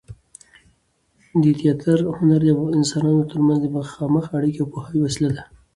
د تياتر هنر د انسانانو تر منځ د مخامخ اړیکې او پوهاوي وسیله ده.